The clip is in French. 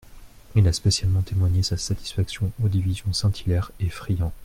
Il a spécialement témoigné sa satisfaction aux divisions Saint-Hilaire et Friant.